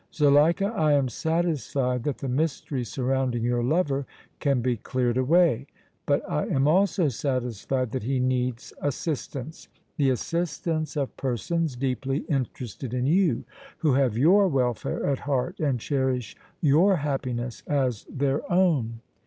Zuleika, I am satisfied that the mystery surrounding your lover can be cleared away; but I am also satisfied that he needs assistance, the assistance of persons deeply interested in you, who have your welfare at heart and cherish your happiness as their own."